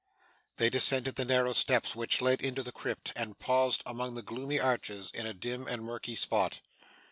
They descended the narrow steps which led into the crypt, and paused among the gloomy arches, in a dim and murky spot.